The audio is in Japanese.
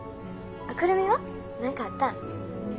久留美は何かあったん？